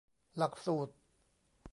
หลักสูตร